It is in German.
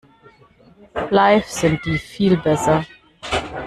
Live sind die viel besser.